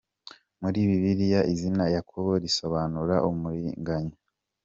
Muri Bibiliya izina Yakobo risobanura “umuriganya”.